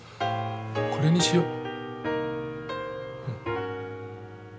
これにしよう。